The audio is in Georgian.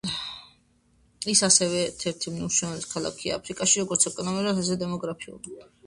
ის ასევე ერთ-ერთი უმნიშვნელოვანესი ქალაქია აფრიკაში როგორც ეკონომიკურად ასევე დემოგრაფიულად.